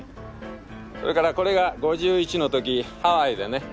それからこれが５１の時ハワイでね。